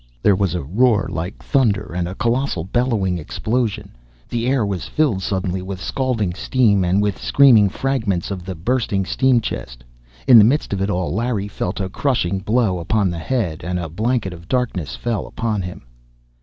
There was a roar like thunder, and a colossal, bellowing explosion. The air was filled suddenly with scalding steam, and with screaming fragments of the bursting steam chest. In the midst of it all, Larry felt a crushing blow upon the head. And a blanket of darkness fell upon him....